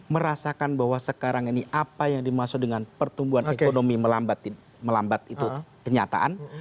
merasakan bahwa sekarang ini apa yang dimaksud dengan pertumbuhan ekonomi melambat melambat itu kenyataan